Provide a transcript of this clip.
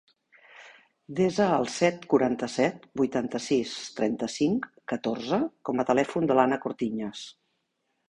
Desa el set, quaranta-set, vuitanta-sis, trenta-cinc, catorze com a telèfon de l'Ana Cortiñas.